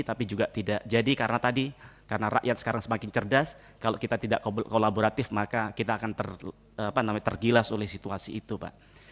tapi juga tidak jadi karena tadi karena rakyat sekarang semakin cerdas kalau kita tidak kolaboratif maka kita akan tergilas oleh situasi itu pak